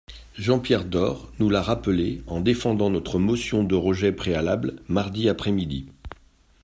Jean-Pierre Door nous l’a rappelé en défendant notre motion de rejet préalable mardi après-midi.